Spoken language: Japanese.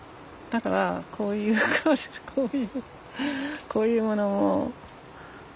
だからこういうこういうもの待ってたのね。